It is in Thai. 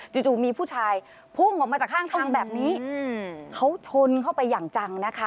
จู่มีผู้ชายพุ่งออกมาจากข้างทางแบบนี้เขาชนเข้าไปอย่างจังนะคะ